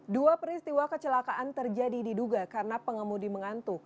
dua peristiwa kecelakaan terjadi diduga karena pengemudi mengantuk